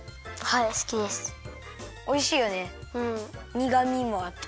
にがみもあって。